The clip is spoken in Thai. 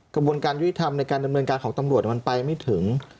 กระบวนการยุติธรรมในการดำเนินการของตำรวจมันไปไม่ถึง